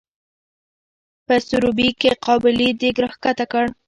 په سروبي کې قابلي دیګ راښکته کړو.